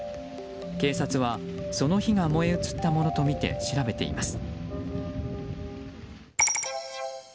警察はその火が燃え移ったものとみて調べています。